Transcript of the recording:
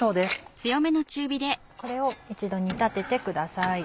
これを一度煮立ててください。